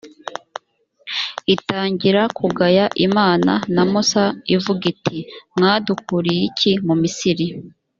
itangira kugaya imana na musa ivuga iti «mwadukuriye iki mu misiri.